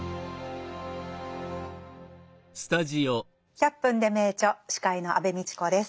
「１００分ｄｅ名著」司会の安部みちこです。